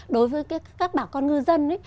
đối với các bà con ngư dân